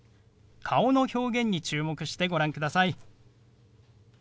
顔の表現に注目してご覧ください。